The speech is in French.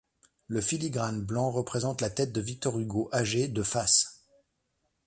Le filigrane blanc représente la tête de Victor Hugo âgé de face.